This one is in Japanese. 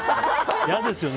嫌ですよね